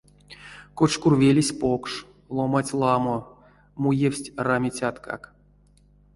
Кочкурвелесь покш, ломанть ламо, муевсть рамицяткак.